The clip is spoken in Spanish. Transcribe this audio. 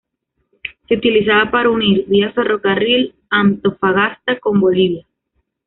Se utilizaba para unir, vía ferrocarril, Antofagasta con Bolivia.